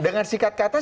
dengan sikat kata